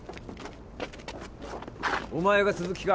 お前が鈴木か。